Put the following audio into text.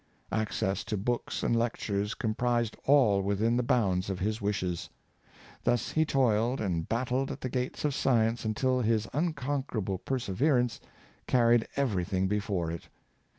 Access to books and lectures com prised all within the bounds of his wishes. Thus he toiled and battled at the gates of science until his un conquerable perseverance carried everything before it.